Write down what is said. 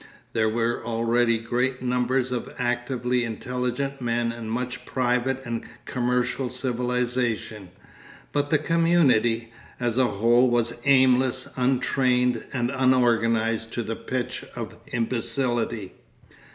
There were already great numbers of actively intelligent men and much private and commercial civilisation, but the community, as a whole, was aimless, untrained and unorganised to the pitch of imbecility.